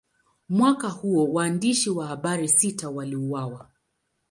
Mwaka huo, waandishi wa habari sita waliuawa.